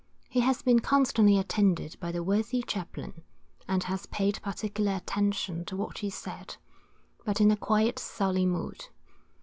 He has been constantly attended by the worthy chaplain, and has paid particular attention to what he said, but in a quiet surly mood.